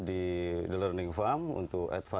di the learning farm untuk